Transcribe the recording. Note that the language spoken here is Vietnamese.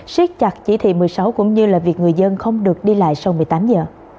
siết chặt chỉ thị một mươi sáu cũng như là việc người dân không được đi lại sau một mươi tám giờ